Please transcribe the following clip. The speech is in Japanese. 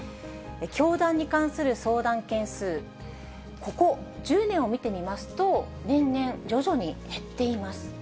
教団に関する相談件数、ここ１０年を見てみますと、年々、徐々に減っています。